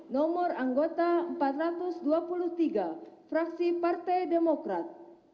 nomor anggota empat ratus dua puluh tiga fraksi partai demokrat